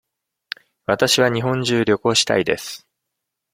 わたしは日本中旅行したいです。